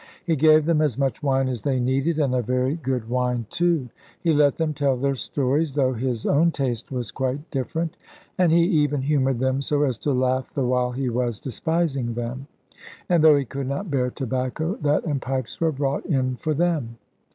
He gave them as much wine as they needed, and a very good wine too. He let them tell their stories, though his own taste was quite different; and he even humoured them so as to laugh the while he was despising them. And though he could not bear tobacco, that and pipes were brought in for them.